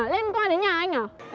lên qua đến nhà anh à